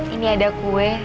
ini ada kue